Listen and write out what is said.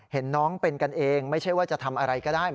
เห็นน้องเป็นกันเองไม่ใช่ว่าจะทำอะไรก็ได้